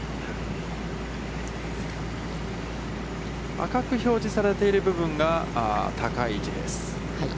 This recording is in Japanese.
赤く表示されている部分が高い位置です。